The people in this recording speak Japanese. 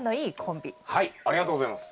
ありがとうございます。